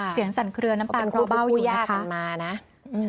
เสียงสั่นเครือน้ำตาลกรอเบ้าอยู่นะคะพูดพูดพูดยากันมานะอืม